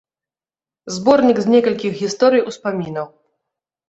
Зборнік з некалькіх гісторый-успамінаў.